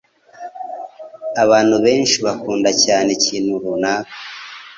Abantu benshi bakunda cyane ikintu runaka.